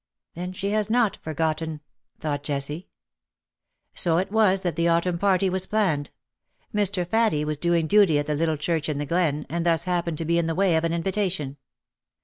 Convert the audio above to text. ^^ Then she has not forgotten," thought Jessie. So it was that the autumn party was planned. Mr. Faddie was doing duty at the little church in the glen, and thus happened to be in the way of an invitation.